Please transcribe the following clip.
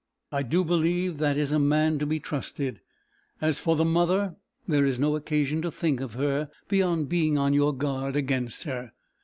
I do believe that is a man to be trusted. As for the mother, there is no occasion to think of her, beyond being on your guard against her.